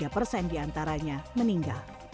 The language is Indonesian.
tiga persen diantaranya meninggal